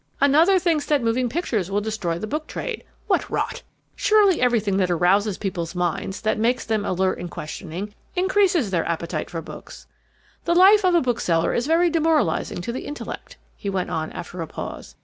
Another thinks that moving pictures will destroy the book trade. What rot! Surely everything that arouses people's minds, that makes them alert and questioning, increases their appetite for books." "The life of a bookseller is very demoralizing to the intellect," he went on after a pause.